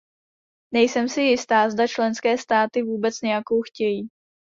Nejsem si jistá, zda členské státy vůbec nějakou chtějí.